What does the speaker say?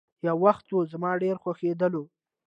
يو وخت وو، زما ډېر خوښيدلو.